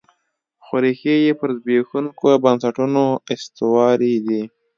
خو ریښې یې پر زبېښونکو بنسټونو استوارې دي.